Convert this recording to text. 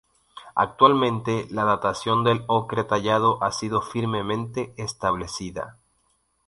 Actualmente, la datación del ocre tallado ha sido firmemente establecida.